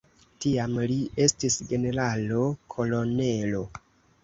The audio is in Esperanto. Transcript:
Tiam li estis generalo-kolonelo.